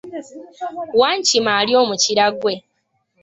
Wankima alya omukira gwe